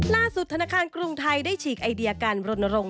ธนาคารกรุงไทยได้ฉีกไอเดียการรณรงค